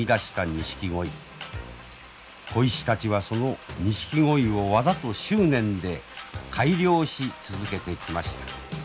鯉師たちはそのニシキゴイを技と執念で改良し続けてきました。